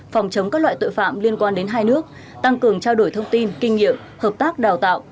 phòng chống các loại tội phạm liên quan đến hai nước tăng cường trao đổi thông tin kinh nghiệm hợp tác đào tạo